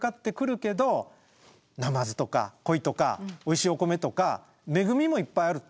ナマズとかコイとかおいしいお米とか恵みもいっぱいある。